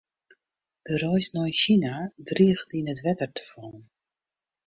De reis nei Sina driget yn it wetter te fallen.